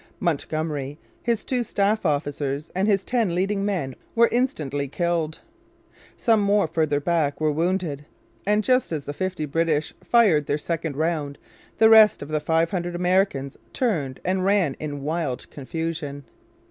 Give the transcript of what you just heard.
Montgomery, his two staff officers, and his ten leading men were instantly killed. Some more farther back were wounded. And just as the fifty British fired their second round the rest of the five hundred Americans turned and ran in wild confusion.